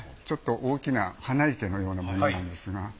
ちょっと大きな花生けのようなものなんですが。